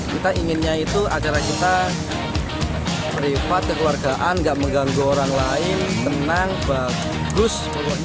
kita inginnya itu acara kita privat kekeluargaan gak mengganggu orang lain tenang bagus